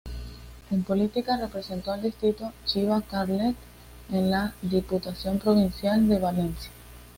En política representó al distrito Chiva-Carlet en la Diputación Provincial de Valencia.